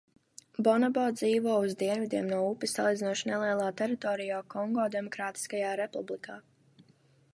Bonobo dzīvo uz dienvidiem no upes salīdzinoši nelielā teritorijā Kongo Demokrātiskajā Republikā.